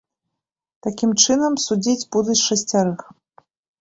Такім чынам, судзіць будуць шасцярых.